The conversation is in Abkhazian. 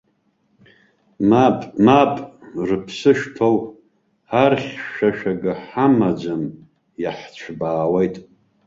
Мап, мап, рыԥсы шҭоу, архьшәашәага ҳамаӡам, иаҳцәбаауеит.